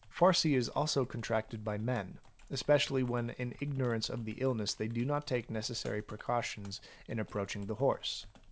Farcy is also contracted by men, especially when in ignorance of the illness they do not take necessary precautions in approaching the horse.